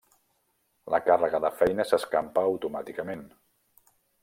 La càrrega de feina s'escampa automàticament.